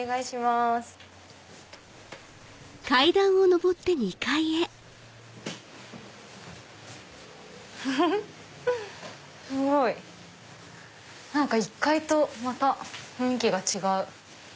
すごい！何か１階とまた雰囲気が違う。